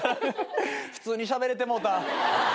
普通にしゃべれてもうた。